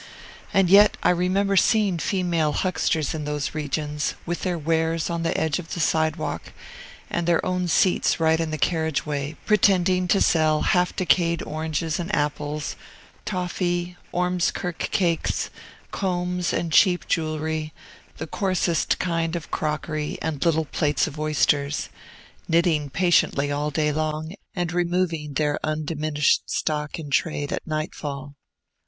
And yet I remember seeing female hucksters in those regions, with their wares on the edge of the sidewalk and their own seats right in the carriage way, pretending to sell half decayed oranges and apples, toffy, Ormskirk cakes, combs, and cheap jewelry, the coarsest kind of crockery, and little plates of oysters, knitting patiently all day long, and removing their undiminished stock in trade at nightfall.